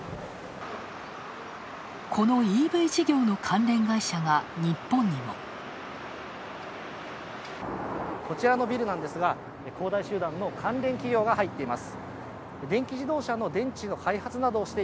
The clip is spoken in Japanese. このＥＶ事業の関連会社が日本にも。こちらのビルなんですが、恒大集団の関連企業が入っています。